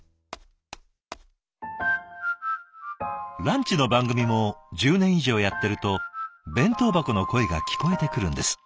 ランチの番組も１０年以上やってると弁当箱の声が聞こえてくるんです。